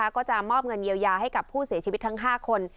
ก็จะมอบเงินเยียวยาให้กับผู้เสียชีวิตทั้ง๕คน